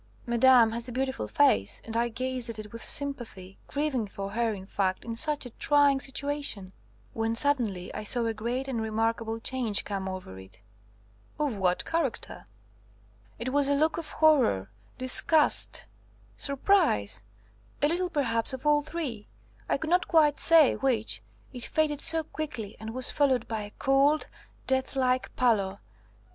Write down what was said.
Madame has a beautiful face, and I gazed at it with sympathy, grieving for her, in fact, in such a trying situation; when suddenly I saw a great and remarkable change come over it." "Of what character?" "It was a look of horror, disgust, surprise, a little perhaps of all three; I could not quite say which, it faded so quickly and was followed by a cold, deathlike pallor.